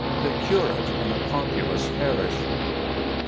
THE CURATE IN A POPULOUS PARISH.